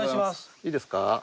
いいですか？